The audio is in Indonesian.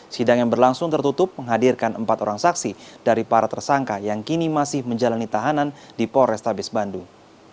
sidang yang berlangsung tertutup menghadirkan empat orang saksi dari para tersangka yang kini masih menjalani tahanan di polrestabes bandung